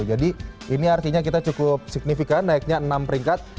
jadi ini artinya kita cukup signifikan naiknya enam peringkat